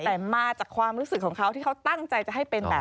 แต่มาจากความรู้สึกของเขาที่เขาตั้งใจจะให้เป็นแบบ